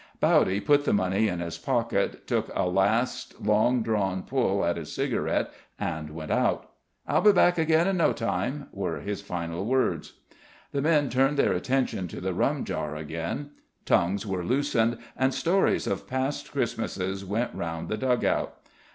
Bowdy put the money in his pocket, took a last long drawn pull at his cigarette, and went outside. "I'll be back again in no time," were his final words. The men turned their attention to the rum jar again; tongues were loosened and stories of past Christmases went round the dug out.